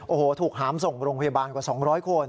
โอ้โหถูกหามส่งโรงพยาบาลกว่า๒๐๐คน